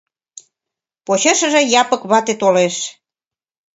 Почешыже Япык вате толеш.